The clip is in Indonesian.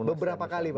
beberapa kali pak ya